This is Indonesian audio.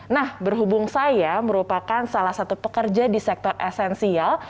nah berhubung saya merupakan salah satu pekerja di sektor esensial